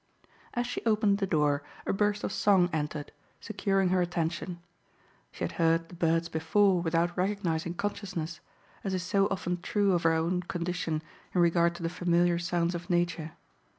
As she opened the door a burst of song entered, securing her attention. She had heard the birds before without recognizing consciousness, as is so often true of our own condition in regard to the familiar sounds of nature.